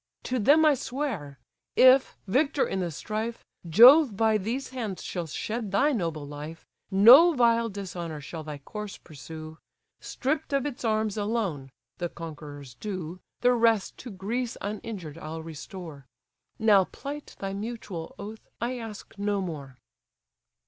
To them I swear; if, victor in the strife, Jove by these hands shall shed thy noble life, No vile dishonour shall thy corse pursue; Stripp'd of its arms alone (the conqueror's due) The rest to Greece uninjured I'll restore: Now plight thy mutual oath, I ask no more."